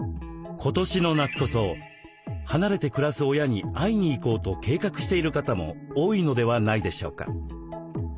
今年の夏こそ離れて暮らす親に会いに行こうと計画している方も多いのではないでしょうか？